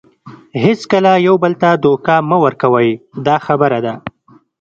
هیڅکله یو بل ته دوکه مه ورکوئ دا خبره ده.